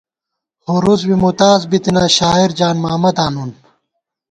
ہُرُوس بی مُتاز بِتنہ شاعر جان محمداں نُن